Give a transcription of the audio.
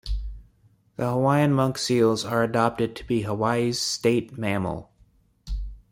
The Hawaiian monk seals are adopted to be Hawaii's state mammal.